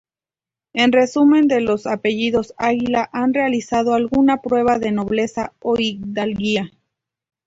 En resumen, los del apellido Águila han realizado alguna prueba de nobleza o hidalguía.